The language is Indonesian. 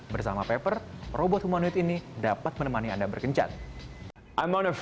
bersama pepper robot humanuit ini dapat menemani anda berkencan